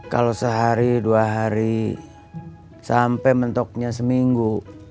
kalau sehari dua hari sampai mentoknya seminggu